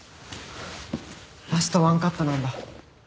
ラスト１カットなんだ。